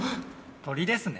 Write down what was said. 鳥ですね。